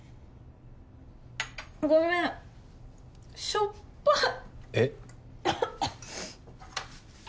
ごめんしょっぱいえっ？